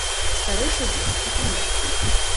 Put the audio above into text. Старэйшы з іх патануў.